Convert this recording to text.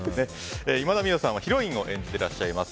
今田美桜さんはヒロインを演じていらっしゃいます。